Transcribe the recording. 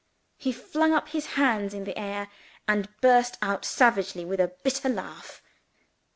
He flung up his hand in the air, and burst out savagely with a bitter laugh.